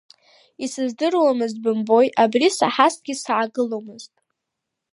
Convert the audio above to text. Исыздыруамызт, бымбои, абри саҳазҭгьы, саагыломызт!